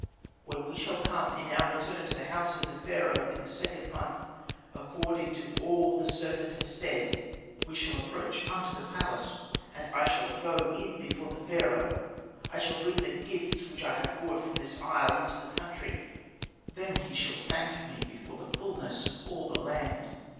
"When we shall come, in our return, to the house of Pharaoh, in the second month, according to all that the serpent has said, we shall approach unto the palace. And I shall go in before Pharaoh, I shall bring the gifts which I have brought from this isle into the country. Then he shall thank me before the fulness of all the land.